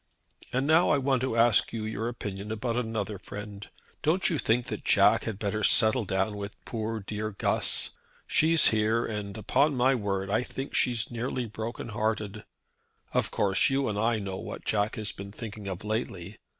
"And now I want to ask you your opinion about another friend. Don't you think that Jack had better settle down with poor dear Guss? She's here, and upon my word I think she's nearly broken hearted. Of course you and I know what Jack has been thinking of lately.